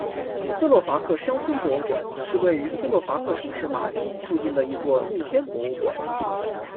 斯洛伐克乡村博物馆是位于斯洛伐克城市马丁附近的一座露天博物馆。